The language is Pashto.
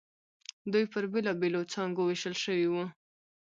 دوی پر بېلابېلو څانګو وېشل شوي وو.